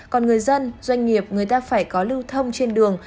còn người dân doanh nghiệp người ta phải có lưu thông trên đường